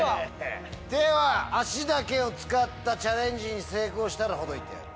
手は足だけを使ったチャレンジに成功したらほどいてやる。